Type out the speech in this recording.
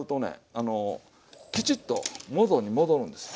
あのきちっと元に戻るんですよ。